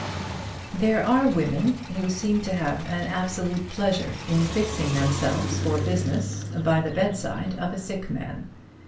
There are women who seem to have an absolute pleasure in fixing themselves for business by the bedside of a sick man.